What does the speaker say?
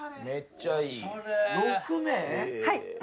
めっちゃいい。